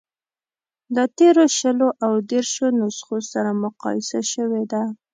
له تېرو شلو او دېرشو نسخو سره مقایسه شوې ده.